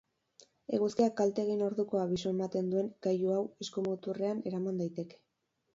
Eguzkiak kalte egin orduko abisu ematen duen gailu hau eskumuturrean eraman daiteke.